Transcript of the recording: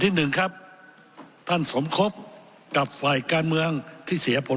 หนึ่งครับท่านสมคบกับฝ่ายการเมืองที่เสียผล